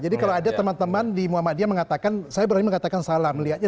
jadi kalau ada teman teman di muhammadiyah mengatakan saya berani mengatakan salah melihatnya